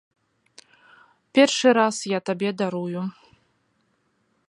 Першы раз я табе дарую.